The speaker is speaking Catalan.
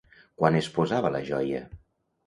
Quan es posava la joia?